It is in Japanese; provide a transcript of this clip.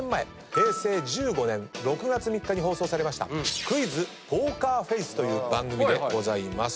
平成１５年６月３日に放送されました『クイズ・ポーカーフェイス』という番組でございます。